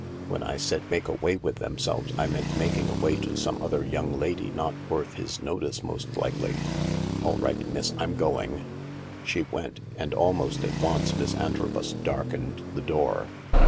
When I said make away with themselves, I meant making away to some other young lady not worth his notice most likely. AH right, miss, I'm going. ,.." She went, and almost at once Miss Antrobus darkened the door.